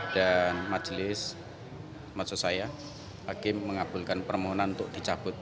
dan majelis maksud saya hakim mengabulkan permohonan untuk dicabut